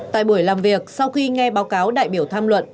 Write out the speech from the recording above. tại buổi làm việc sau khi nghe báo cáo đại biểu tham luận